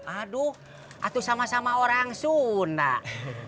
aduh atuh sama sama orang sunak